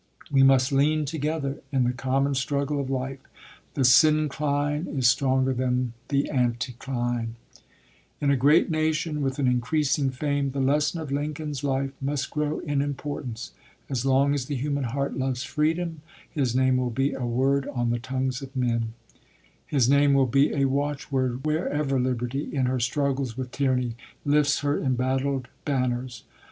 We must lean together in the common struggle of life: the syncline is stronger than the anticline. In a great nation with an increasing fame, the lesson of Lincoln's life must grow in importance. As long as the human heart loves freedom his name will be a word on the tongues of men. His name will be a watchword wherever liberty in her struggles with tyranny lifts her embattled banners.